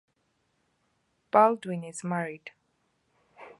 Baldwin is married.